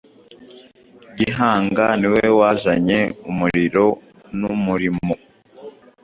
Gihanga niwe wazanye umuriro n’umurimo,